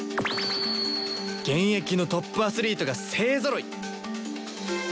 現役のトップアスリートが勢ぞろい！